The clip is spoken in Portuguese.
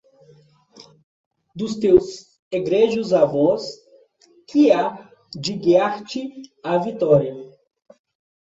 Dos teus egrégios avós, que há de guiar-te à vitória!